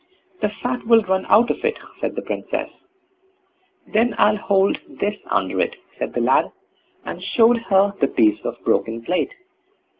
"The fat will run out of it", said the Princess. "Then I'll hold this under it", said the lad, and showed her the piece of broken plate.